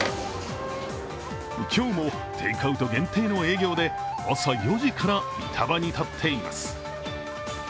今日もテイクアウト限定の営業で朝４時から板場に立っています。